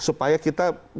supaya kita move on dari rdtr